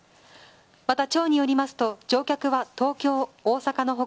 また、町によりますと乗客は東京、大阪の他